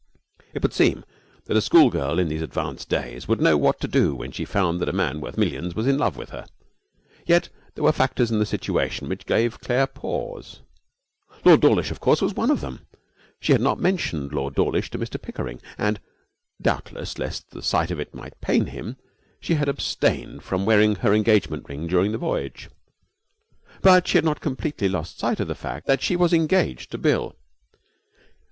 It would seem that a schoolgirl in these advanced days would know what to do when she found that a man worth millions was in love with her; yet there were factors in the situation which gave Claire pause. Lord Dawlish, of course, was one of them. She had not mentioned Lord Dawlish to Mr Pickering, and doubtless lest the sight of it might pain him she had abstained from wearing her engagement ring during the voyage. But she had not completely lost sight of the fact that she was engaged to Bill.